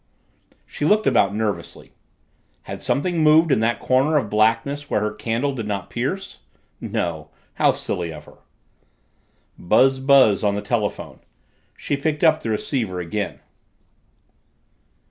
She looked about nervously. Had something moved in that corner of blackness where her candle did not pierce? No! How silly of her! Buzz buzz on the telephone. She picked up the receiver again.